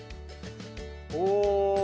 お！